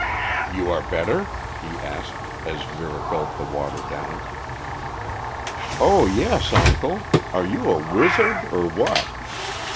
"You are better?" he asked, as Vera gulped the water down. "Oh, yes, uncle; are you a wizard or what?